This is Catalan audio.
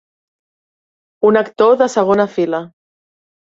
Un actor de segona fila.